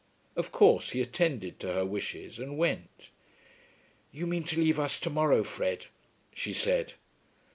Of course he attended to her wishes and went. "You mean to leave us to morrow, Fred," she said.